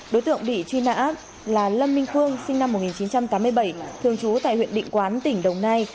đối tượng bị truy nã là lâm minh phương sinh năm một nghìn chín trăm tám mươi bảy thường trú tại huyện định quán tỉnh đồng nai